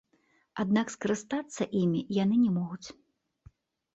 Аднак скарыстацца імі яны не могуць.